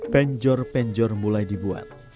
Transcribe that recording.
penjor penjor mulai dibuat